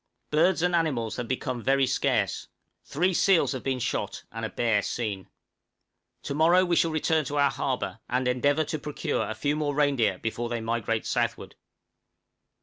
Birds and animals have become very scarce; three seals have been shot, and a bear seen. To morrow we shall return to our harbor, and endeavor to procure a few more reindeer before they migrate southward.